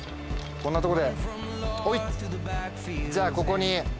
こんなところ？